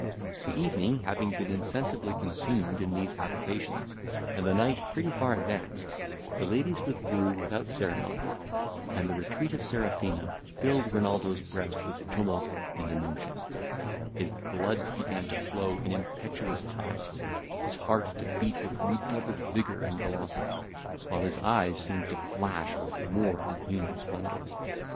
The evening having been insensibly consumed in these avocations, and the night pretty far advanced, the ladies withdrew without ceremony; and the retreat of Serafina filled Renaldo's breast with tumult and emotion; his blood began to flow in impetuous tides, his heart to beat with redoubled vigour and velocity, while his eyes seemed to flash with more than human splendour.